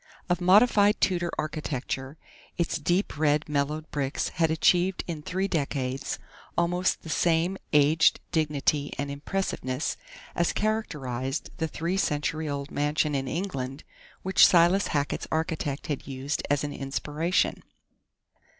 Of modified Tudor architecture, its deep red, mellowed bricks had achieved in three decades almost the same aged dignity and impressiveness as characterized the three century old mansion in England which Silas Hackett's architect had used as an inspiration.